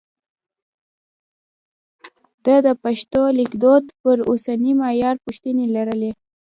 ده د پښتو لیکدود پر اوسني معیار پوښتنې لرلې.